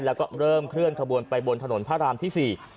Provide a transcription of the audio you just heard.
แล้วก็เริ่มเคลื่อนขบวนไปบนถนนพระรามที่๔